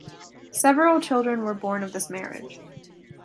Several children were born of this marriage.